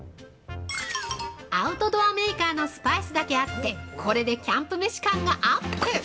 ◆アウトドアメーカーのスパイスだけあって、これでキャンプ飯感がアップ！